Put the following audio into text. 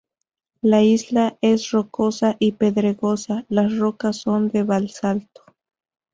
La isla es rocosa y pedregosa, las rocas son de basalto.